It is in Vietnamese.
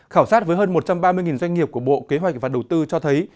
khảo sát với hơn một trăm ba mươi doanh nghiệp của bộ kế hoạch và đầu tư cho thấy